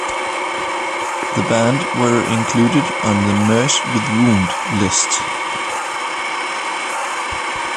The band were included on the Nurse With Wound list.